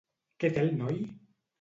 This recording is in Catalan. Què té el noi?